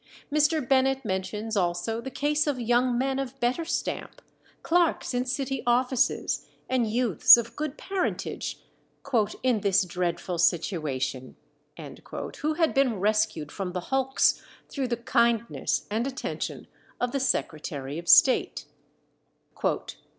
Mr. Bennet mentions also the case of young men of better stamp, clerks in city offices, and youths of good parentage, "in this dreadful situation," who had been rescued from the hulks through the kindness and attention of the Secretary of State.